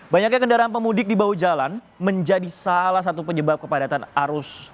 banyaknya kendaraan pemudik di bawah jalan menjadi salah satu penyebab kepadatan arus